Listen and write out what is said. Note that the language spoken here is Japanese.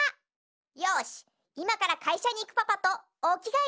よしいまからかいしゃにいくパパとおきがえ